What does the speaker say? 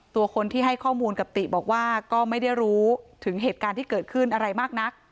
ตัวคนที่ให้ข้อมูลกับติบอกว่าก็ไม่ได้รู้ถึงเหตุการณ์ที่เกิดขึ้นอะไรมากนัก